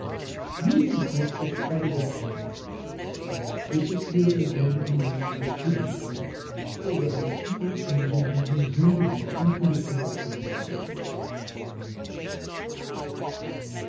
14. You exist as part of a whole. You will disappear again in that which produced you; or rather you will change and be resumed again into the productive intelligence.